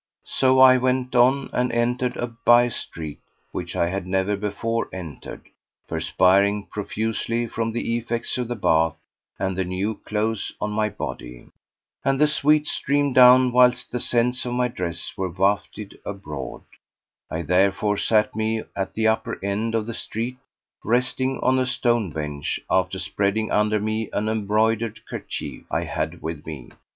So I went on and entered a by street which I had never before entered, perspiring profusely from the effects of the bath and the new clothes on my body; and the sweat streamed down whilst the scents of my dress were wafted abroad: I therefore sat me at the upper end of the street resting on a stone bench, after spreading under me an embroidered kerchief I had with me.